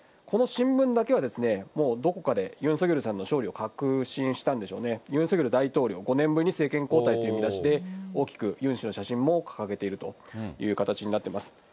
この新聞だけは、もうどこかでユン・ソギョルさんの勝利を確信したんでしょうね、ユン・ソギョル大統領５年ぶりに政権交代という見出しで、大きくユン氏の写真も掲げているという形になってます。